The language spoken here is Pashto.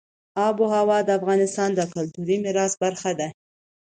آب وهوا د افغانستان د کلتوري میراث برخه ده.